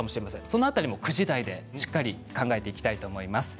その辺り９時台で考えていきたいと思います。